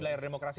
di layar demokrasi